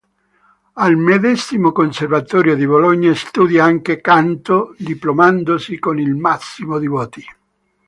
Al medesimo conservatorio di Bologna studia anche canto, diplomandosi con il massimo di voti.